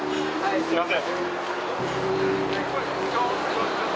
すみません。